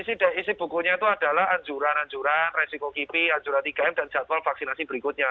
isi bukunya itu adalah anjuran anjuran resiko kipi anjuran tiga m dan jadwal vaksinasi berikutnya